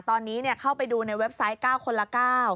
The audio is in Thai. ตอนนี้เข้าไปดูในเว็บไซต์๙คนละ๙